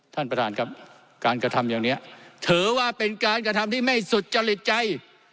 ท่านประธานครับการกระทำอย่างนี้ถือว่าเป็นการกระทำที่ไม่สุจริตใจ